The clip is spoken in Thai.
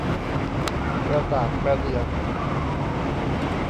กระดากกระเดื่อง